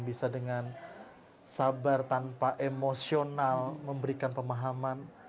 bisa dengan sabar tanpa emosional memberikan pemahaman